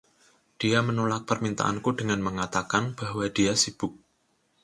Dia menolak permintaanku dengan mengatakan bahwa dia sibuk.